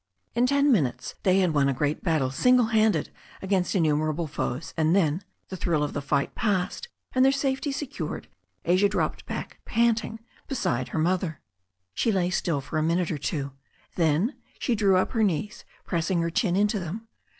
In ten minutes they had won a great battle single handed against innumerable foes, and then, the thrill of the fight passed, and their safety secured, Asia dropped back^ panting, beside her mother. She lay still for a minute or two. Then she drew up her knees, pressing her chin into them.